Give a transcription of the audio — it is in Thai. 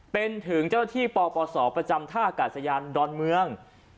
เป็นถึงเจ้าหน้าที่ปปศประจำท่าอากาศยานดอนเมือง